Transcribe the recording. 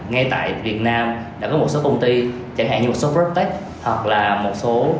ngay tại việt nam đã có một số công ty chẳng hạn như một số protect